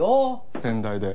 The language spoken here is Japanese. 「先代」で。